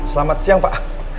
selamat siang pak